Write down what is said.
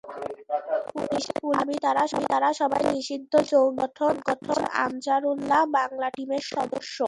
পুলিশের দাবি, তাঁরা সবাই নিষিদ্ধ জঙ্গি সংগঠন আনসারুল্লাহ বাংলা টিমের সদস্য।